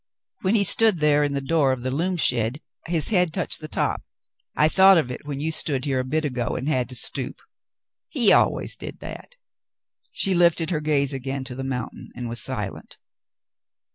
\Mien he stood here in the door of the loom shed, his head touched the top. I thought of it when you stood here a bit ago and had to stoop. He always did that." She lifted her gaze again to the moun tain, and was silent.